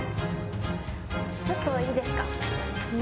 ちょっといいですか。